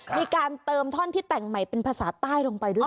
มีการเติมท่อนที่แต่งใหม่เป็นภาษาใต้ลงไปด้วย